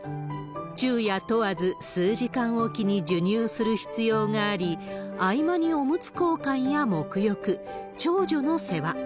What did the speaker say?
昼夜問わず、数時間置きに授乳する必要があり、合間におむつ交換やもく浴、長女の世話。